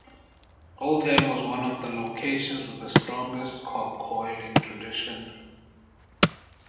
Oldham was one of the locations with the strongest cob coaling tradition.